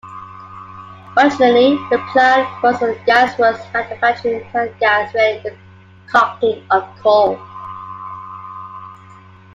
Originally the plant was a gasworks, manufacturing town gas via the coking of coal.